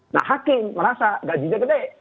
nah hakim merasa gajinya gede